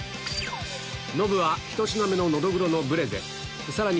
ノブは１品目のノドグロのブレゼさらに